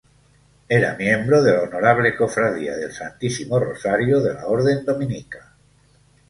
Era miembro de la Honorable Cofradía del Santísimo Rosario de la Orden dominica.